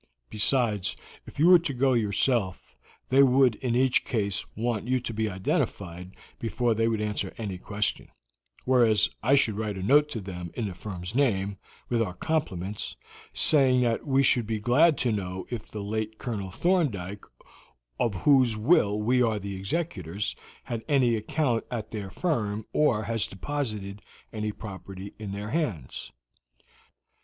Besides, if you were to go yourself, they would in each case want you to be identified before they would answer any question, whereas I should write a note to them in the firm's name, with our compliments, saying that we should be glad to know if the late Colonel Thorndyke, of whose will we are the executors, had any account at their firm or has deposited any property in their hands.